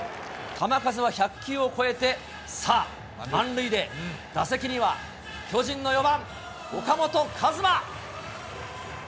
球数は１００球を超えて、さあ、満塁で打席には巨人の４番、岡本和真。